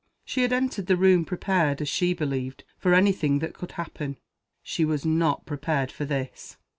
She had entered the room, prepared (as she believed) for any thing that could happen. She was not prepared for this.